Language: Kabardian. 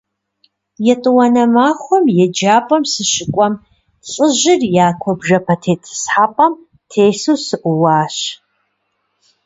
ЕтӀуанэ махуэм еджапӏэм сыщыкӀуэм, лӀыжьыр я куэбжэпэ тетӀысхьэпӀэм тесу сыӀууащ.